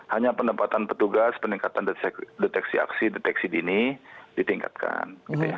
hanya pendapatan petugas peningkatan deteksi aksi deteksi dini ditingkatkan